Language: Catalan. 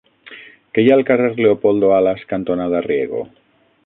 Què hi ha al carrer Leopoldo Alas cantonada Riego?